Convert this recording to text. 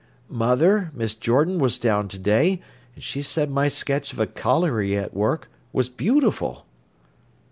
"Mother, Miss Jordan was down to day, and she said my sketch of a colliery at work was beautiful."